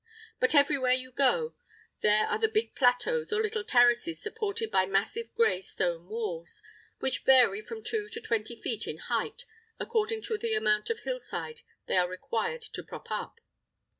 But everywhere you go there are the big plateaux or little terraces supported by massive grey stone walls, which vary from two to twenty feet in height, according to the amount of hillside they are required to prop up.